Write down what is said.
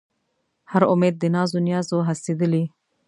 هر اُمید د ناز و نیاز و هستېدلی